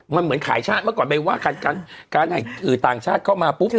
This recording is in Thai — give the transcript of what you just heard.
มันเหมือนขายชาติเมื่อก่อนไม่ว่าคันคันไหนคือต่างชาติเข้ามาปุ๊บเนี่ย